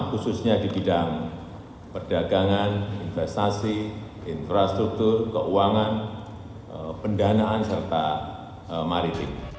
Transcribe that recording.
khususnya di bidang perdagangan investasi infrastruktur keuangan pendanaan serta maritim